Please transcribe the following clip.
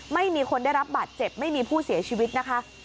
ไม่มีคนได้รับบาดเจ็บไม่มีผู้เสียชีวิตนะคะ